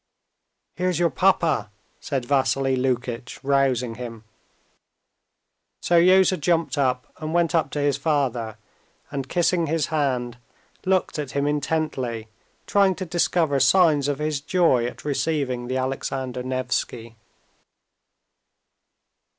"Here is your papa!" said Vassily Lukitch, rousing him. Seryozha jumped up and went up to his father, and kissing his hand, looked at him intently, trying to discover signs of his joy at receiving the Alexander Nevsky.